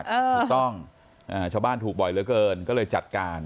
ถูกต้องชาวบ้านถูกบ่อยเหลือเกินก็เลยจัดการ